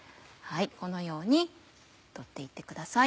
このように取って行ってください。